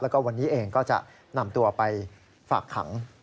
แล้วก็วันนี้เองก็จะนำตัวไปฝากขัง